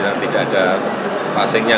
dan tidak ada passingnya